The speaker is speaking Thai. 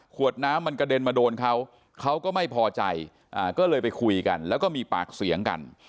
ขวดน้ำมันกระเด็นมาโดนเขาเขาก็ไม่พอใจก็เลยไปคุยกันแล้วก็มีปากเสียงกัน